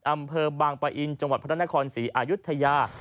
อำเภอบางปะอินจังหวัดพระนครศรีอายุทยา